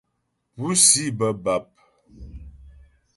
Púsi bə́ bap.